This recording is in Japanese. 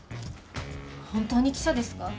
本当に記者ですか？